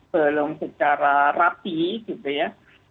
belum secara rapi gitu ya